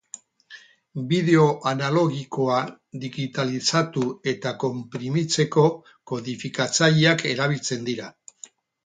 Bideo analogikoa digitalizatu eta konprimitzeko kodifikatzaileak erabiltzen dira.